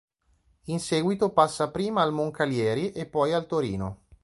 In seguito passa prima al Moncalieri, e poi al Torino.